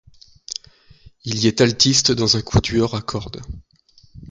Il y est altiste dans un quatuor à cordes.